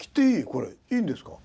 これいいんですか？